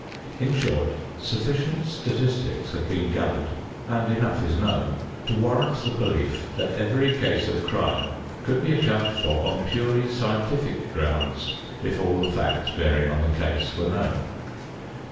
In short, sufficient statistics have been gathered and enough is known to warrant the belief that every case of crime could be accounted for on purely scientific grounds if all the facts bearing on the case were known.